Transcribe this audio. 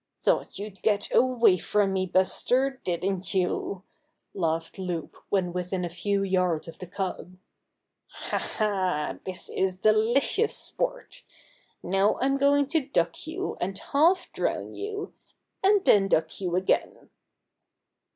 ^^Thought you'd get away from me, Buster, didn't you?" laughed Loup when within a few yards of the cub. "Ha! Ha! This is delicious sport! Now I'm going to duck you and half drown you, and then duck you again."